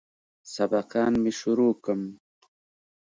سبقان مې شروع کم.